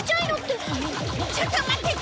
ちょっと待ってて！